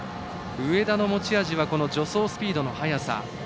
上田の持ち味は助走スピードの速さ。